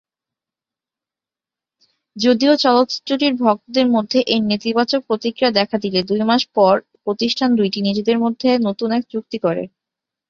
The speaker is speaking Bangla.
যদিও চলচ্চিত্রটির ভক্তদের মধ্যে এর নেতিবাচক প্রতিক্রিয়া দেখা দিলে দুই মাস পর প্রতিষ্ঠান দুইটি নিজেদের মধ্যে নতুন এক চুক্তি করে।